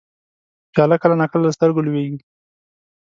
پیاله کله نا کله له سترګو لوېږي.